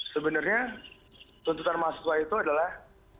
sebenarnya tuntutan mahasiswa itu adalah